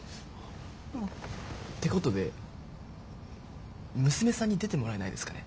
ってことで娘さんに出てもらえないですかね？